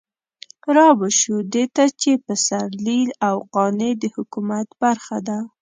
رابه شو دې ته چې پسرلي او قانع د حکومت برخه ده.